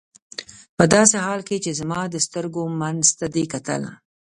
په داسې حال کې چې زما د سترګو منځ ته دې کتل.